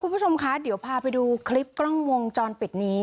คุณผู้ชมคะเดี๋ยวพาไปดูคลิปกล้องวงจรปิดนี้